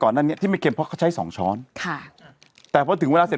นั้นเนี้ยที่ไม่เค็มเพราะเขาใช้สองช้อนค่ะแต่พอถึงเวลาเสร็จ